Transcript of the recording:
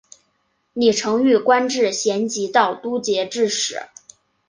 李澄玉官至咸吉道都节制使。